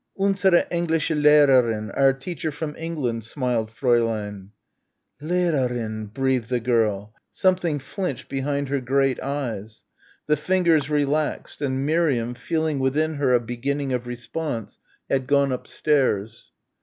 "Unsere englische Lehrerin our teacher from England," smiled Fräulein. "Lehrerin!" breathed the girl. Something flinched behind her great eyes. The fingers relaxed, and Miriam feeling within her a beginning of response, had gone upstairs.